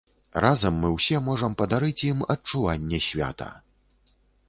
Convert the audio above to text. Разам мы ўсе можам падарыць ім адчуванне свята.